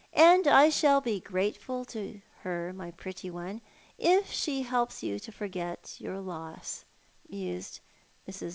" And I shall be very grateful to her, my pretty one, if she helps you to forgot your loss," mused ^Irs.